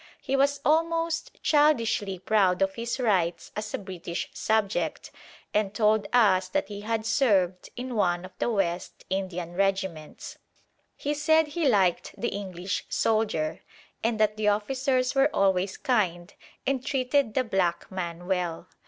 He was almost childishly proud of his rights as a British subject, and told us that he had served in one of the West Indian regiments. He said he liked the English soldier, and that the officers were always kind and treated the black man well.